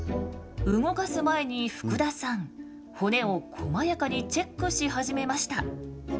動かす前に福田さん骨をこまやかにチェックし始めました。